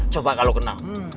coba kalau kena